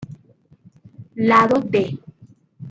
Lado D